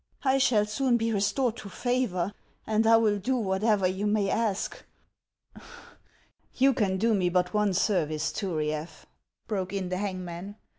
I shall soon be re stored to favor, and I will do whatever you may ask —"" You can do me but one service, Turiaf," broke in the hangman.